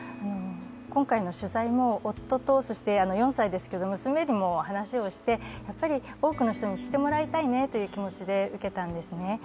今回の取材も、夫と、そして４歳ですけども娘にも話をしてやっぱり多くの人に知ってもらいたいねという気持ちで受けたんですね。